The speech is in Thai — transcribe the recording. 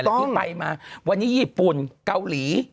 ที่ไปมาวันนี้ญี่ปุ่นเกาหลี